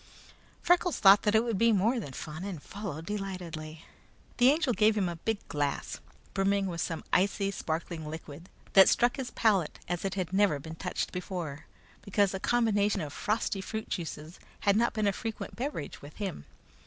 Freckles thought that it would be more than fun, and followed delightedly. The Angel gave him a big glass, brimming with some icy, sparkling liquid that struck his palate as it never had been touched before, because a combination of frosty fruit juices had not been a frequent beverage with him.